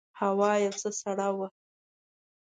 هوا یو څه سړه وه.